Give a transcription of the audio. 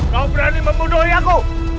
kau berani membunuh aku